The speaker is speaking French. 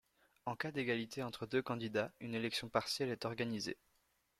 En cas d'égalité entre deux candidats, une élection partielle est organisée.